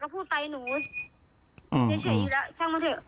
เชื่ออยู่แล้วสร้างมาเถอะ